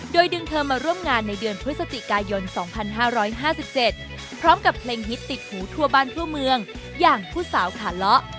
โดยดึงเธอมาร่วมงานในเดือนพฤศจิกายน๒๕๕๗พร้อมกับเพลงฮิตติดหูทั่วบ้านทั่วเมืองอย่างผู้สาวขาเลาะ